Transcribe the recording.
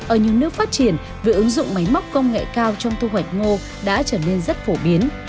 ở những nước phát triển việc ứng dụng máy móc công nghệ cao trong thu hoạch ngô đã trở nên rất phổ biến